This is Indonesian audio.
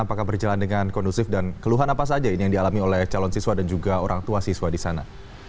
apakah berjalan dengan kondusif dan keluhan apa saja yang dialami oleh calon siswa dan juga orang tua siswa di sana